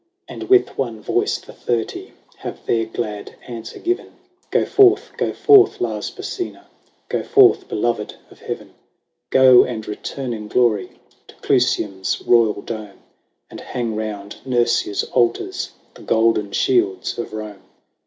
X. And with one voice the Thirty Have their glad answer given :" Go forth, go forth, Lars Porsena ; Go forth, beloved of Heaven ; 48 LAYS OF ANCIENT ROME. Go, and return in glory To Clusium's royal dome ; And hang round Nurscia's altars The golden shields of Rome."